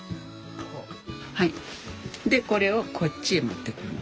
でこれをこっちへ持ってくるの。